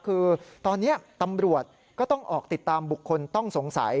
คือตอนนี้ตำรวจก็ต้องออกติดตามบุคคลต้องสงสัย